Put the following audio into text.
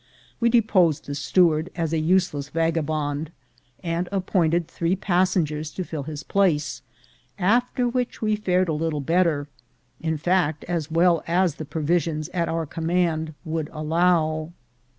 We deposed the steward as a useless vagabond, and appointed three passengers to fill his place, after which we fared a little better — in fact, as well as the provisions at our command would allow.